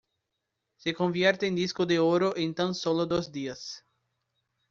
Se convierte en disco de oro en tan sólo dos días.